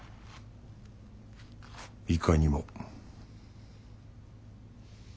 いかにも。